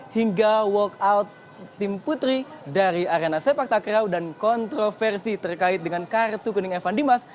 hingga walkout tim putri dari arena sepak takraw dan kontroversi terkait dengan kartu kuning evan dimas